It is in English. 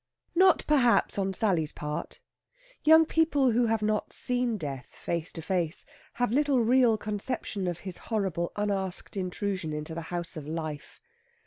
Not, perhaps, on Sally's part. Young people who have not seen Death face to face have little real conception of his horrible unasked intrusion into the house of Life.